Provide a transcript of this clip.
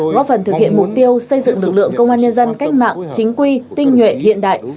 góp phần thực hiện mục tiêu xây dựng lực lượng công an nhân dân cách mạng chính quy tinh nhuệ hiện đại